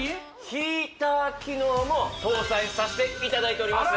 ヒーター機能も搭載さしていただいております